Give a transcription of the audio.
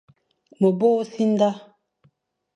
Ma bôn-e-simda,